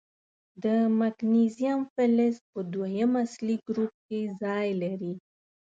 د مګنیزیم فلز په دویم اصلي ګروپ کې ځای لري.